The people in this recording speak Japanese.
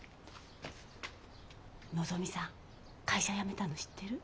のぞみさん会社辞めたの知ってる？